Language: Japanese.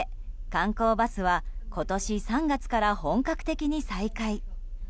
観光バスは今年３月から本格的に再開。